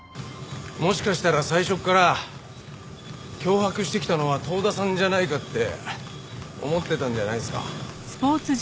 もしかしたら最初から脅迫してきたのは遠田さんじゃないかって思ってたんじゃないですか？